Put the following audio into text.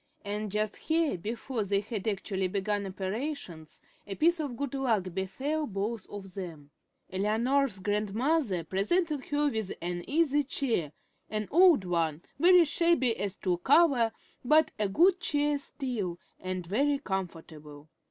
And just here, before they had actually begun operations, a piece of good luck befell both of them. Eleanor's grandmother presented her with an easy chair, an old one, very shabby as to cover, but a good chair still, and very comfortable.